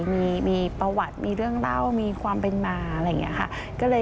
มีประวัติมีเรื่องเล่ามีความเป็นมาอะไรอย่างนี้ค่ะ